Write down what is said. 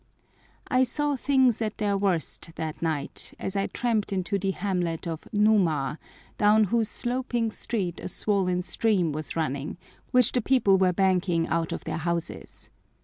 I saw things at their worst that night as I tramped into the hamlet of Numa, down whose sloping street a swollen stream was running, which the people were banking out of their houses.